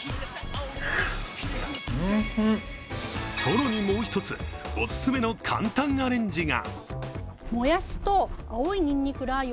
更にもう一つ、オススメの簡単アレンジが。